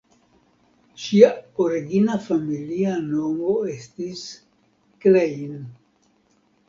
Ŝia origina familia nomo estis "Klein".